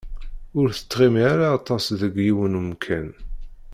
Ur tettɣimi ara aṭas deg yiwen n umkan.